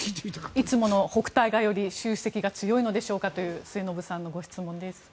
いつもの北戴河より習主席が強いのでしょうかという末延さんのご質問です。